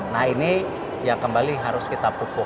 nah ini yang kembali harus kita pupuk